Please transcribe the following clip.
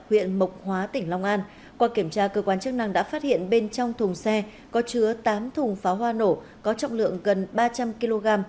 qua kiểm tra cơ quan chức năng đã phát hiện bên trong thùng xe có chứa tám thùng pháo hoa nổ có trọng lượng gần ba trăm linh kg